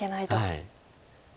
はい。